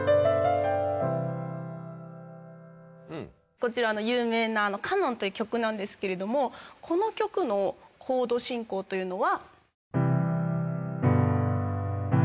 こちら有名な『カノン』という曲なんですけれどもこの曲のコード進行というのは。